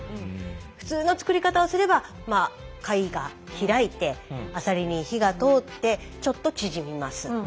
普通の作り方をすればまあ貝が開いてアサリに火が通ってちょっと縮みます。